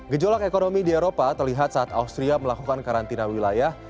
gejolak ekonomi di eropa terlihat saat austria melakukan karantina wilayah